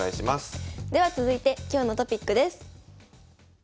では続いて今日のトピックです。